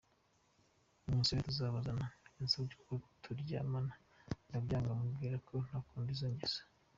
Umusore tuzabana yansabye ko turyamana ndabyanga mubwira ko ntakunda izo ngeso.